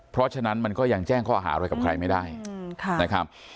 เพราะฉะนั้นมันก็ยังแจ้งข้อหาอะไรกับใครไม่ได้นะครับ